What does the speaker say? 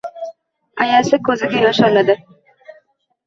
Ayasi koʻziga yosh oladi